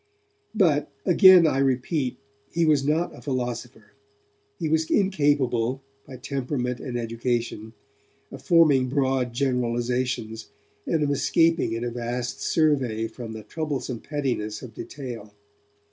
But, again I repeat, he was not a philosopher; he was incapable, by temperament and education, of forming broad generalizations and of escaping in a vast survey from the troublesome pettiness of detail.